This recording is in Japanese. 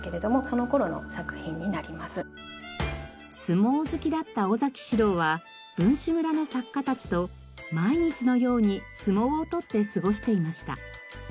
相撲好きだった尾士郎は文士村の作家たちと毎日のように相撲を取って過ごしていました。